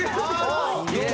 すげえ！